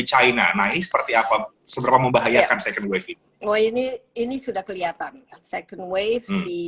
china nah ini seperti apa seberapa membahayakan second wave ini ini sudah kelihatan second wave di